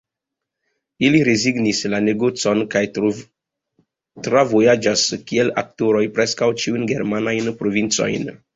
Ili rezignis la negocon kaj travojaĝis kiel aktoroj preskaŭ ĉiujn germanajn provincojn.